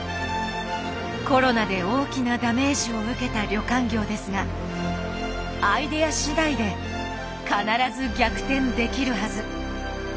コロナで大きなダメージを受けた旅館業ですがアイデアしだいで必ず逆転できるはず。